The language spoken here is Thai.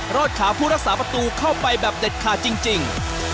อดขาผู้รักษาประตูเข้าไปแบบเด็ดขาดจริง